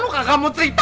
lo gak mau cerita